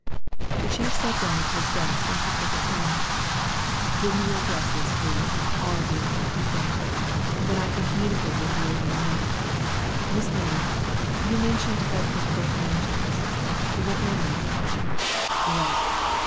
The chief sat down at his desk and picked up a pen. "Give me your addresses please, all of you," he said. "Then I can communicate with you at any moment. Miss Lennard, you mentioned Bedford Court Mansions. What number? Right.